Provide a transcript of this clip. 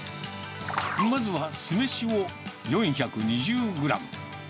まずは酢飯を４２０グラム。